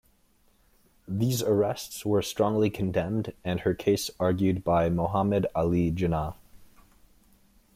These arrests were strongly condemned and her case argued by Mohammad Ali Jinnah.